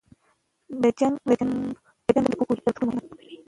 د جنګ د اوبو کوهي تر ټولو مهم وو.